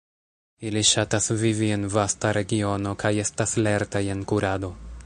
Ili ŝatas vivi en vasta regiono kaj estas lertaj en kurado.